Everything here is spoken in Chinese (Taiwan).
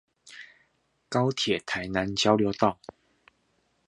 高鐵台南交流道